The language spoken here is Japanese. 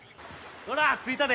ほら着いたで。